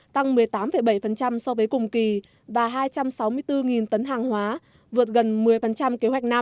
tăng một mươi tám bảy so với cùng kỳ và hai trăm sáu mươi bốn tấn hàng hóa vượt gần một mươi kế hoạch năm